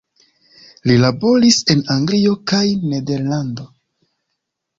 Li laboris en Anglio kaj Nederlando.